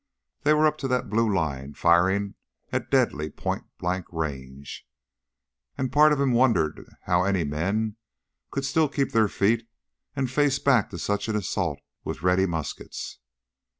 They were up to that blue line, firing at deadly point blank range. And part of him wondered how any men could still keep their feet and face back to such an assault with ready muskets.